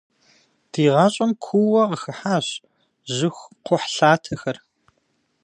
Ди гъащӏэм куууэ къыхыхьащ жьыхукхъухьлъатэхэр.